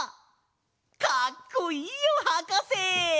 かっこいいよはかせ！